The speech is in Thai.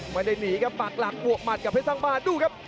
ไม่ได้หนีครับปากหลักบวกหมัดกับเพชรสร้างบ้านดูครับ